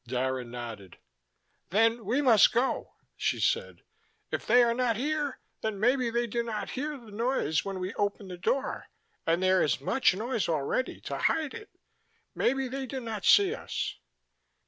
Dara nodded. "Then we must go," she said. "If they are not here, then maybe they do not hear the noise when we open the door: and there is much noise already to hide it. Maybe they do not see us."